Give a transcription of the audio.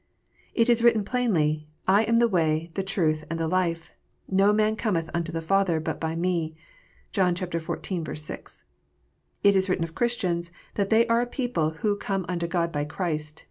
It is written plainly, " I am the way, the truth, and the life : no man cometh unto the Father, but by Me." (John xiv. 6.) It is written of Christians, that they are a people who " come unto God by Christ."